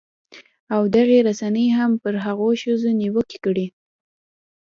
او دغې رسنۍ هم پر هغو ښځو نیوکې کړې